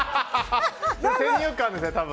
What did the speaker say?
先入観ですね、多分。